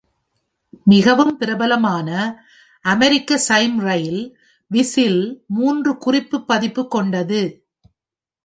மிகவும் பிரபலமான அமெரிக்க சைம் ரயில் விசில் மூன்று குறிப்பு பதிப்பு கொண்டது.